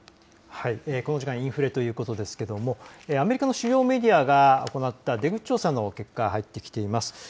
この時間、インフレということですけれどもアメリカの主要メディアが行った出口調査の結果、入ってきています。